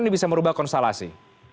ini bisa merubah konstelasi